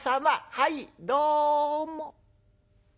はいどうも。